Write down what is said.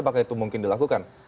apakah itu mungkin dilakukan